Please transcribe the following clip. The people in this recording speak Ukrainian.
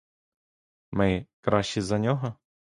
Ми — кращі за нього?